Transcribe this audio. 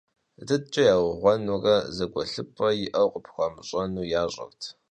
ДыдкӀэ яугъуэнурэ, зэгуэлъыпӀэ иӀэу къыпхуэмыщӀэну, ящӀырт.